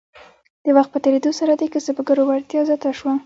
د وخت په تیریدو سره د کسبګرو وړتیا زیاته شوه.